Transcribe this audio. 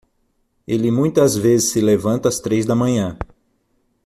Ele muitas vezes se levanta às três da manhã